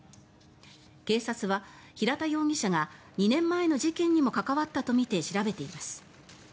警察は平田容疑者が２年前の事件にも関わったとみて調べています。